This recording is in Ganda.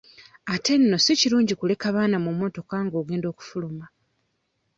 Ate nno si kirungi kuleka baana mu mmotoka ng'ogenda kufuluma.